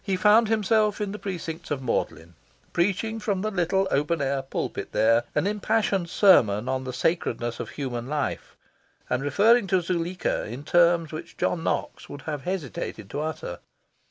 He found himself in the precincts of Magdalen, preaching from the little open air pulpit there an impassioned sermon on the sacredness of human life, and referring to Zuleika in terms which John Knox would have hesitated to utter.